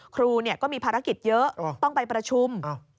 ครูก็มีภารกิจเยอะต้องไปประชุม